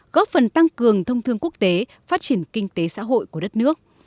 góp phần tăng cường thông thương quốc tế phát triển kinh tế xã hội của đất nước